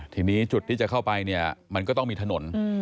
ทีนี้จุดที่จะเข้าไปเนี่ยมันก็ต้องมีถนน